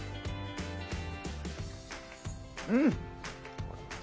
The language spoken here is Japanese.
うん！